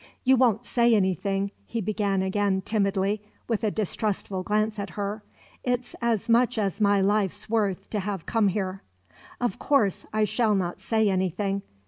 "You won't say anything," he began again timidly, with a distrustful glance at her. "It's as much as my life's worth to have come here." "Of course I shall not say anything.